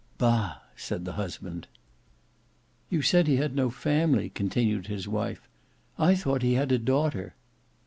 "Bah!" said the husband. "You said he had no family," continued his wife. "I thought he had a daughter."